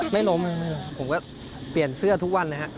ไม่ล้มผมก็เปลี่ยนเสื้อทุกวันเลยฮะ